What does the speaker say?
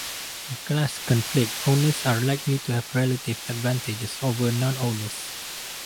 In class conflict, owners are likely to have relative advantages over non-owners.